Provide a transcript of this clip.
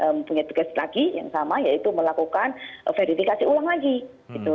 mempunyai tugas lagi yang sama yaitu melakukan verifikasi ulang lagi gitu